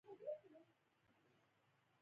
په رښتیا کښېنه، دروغ زهر دي.